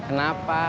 ih kawian apaan sih